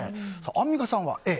アンミカさんはＡ。